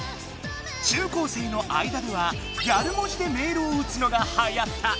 ちゅうこうせいの間では「ギャル文字」でメールをうつのがはやった！